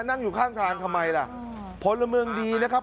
นั่งอยู่ข้างทางทำไมล่ะพลเมืองดีนะครับ